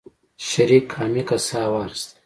شريف عميقه سا واخيسته.